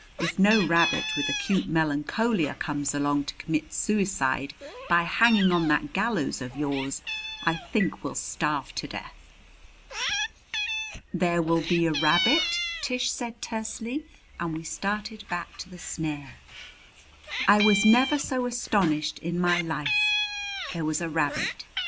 If no rabbit with acute melancholia comes along to commit suicide by hanging on that gallows of yours, I think we'll starve to death." "There will be a rabbit," Tish said tersely; and we started back to the snare. I was never so astonished in my life. There was a rabbit!